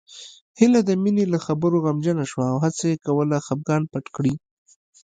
هيله د مينې له خبرو غمجنه شوه او هڅه يې کوله خپګان پټ کړي